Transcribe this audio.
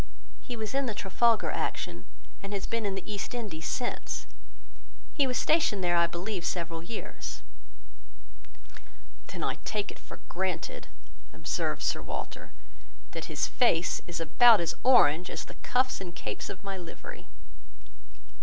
He was in the Trafalgar action, and has been in the East Indies since; he was stationed there, I believe, several years." "Then I take it for granted," observed Sir Walter, "that his face is about as orange as the cuffs and capes of my livery."